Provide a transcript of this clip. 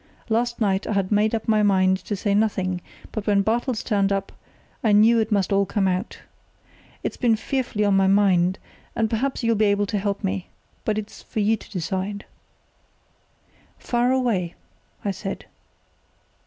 Last night I had made up my mind to say nothing, but when Bartels turned up I knew it must all come out. It's been fearfully on my mind, and perhaps you'll be able to help me. But it's for you to decide." "Fire away!" I said.